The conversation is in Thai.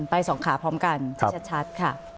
ไปสองขาพร้อมกันที่ชัดค่ะ